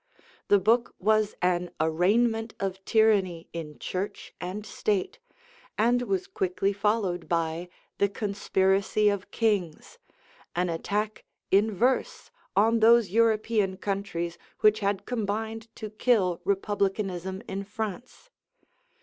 The book was an arraignment of tyranny in church and state, and was quickly followed by 'The Conspiracy of Kings,' an attack in verse on those European countries which had combined to kill Republicanism in France.